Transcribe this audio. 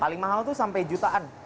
paling mahal itu sampai jutaan